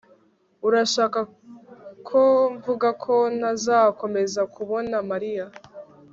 urashaka ko mvuga ko ntazakomeza kubona mariya